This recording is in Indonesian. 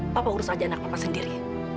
papa urus aja anak bapak sendiri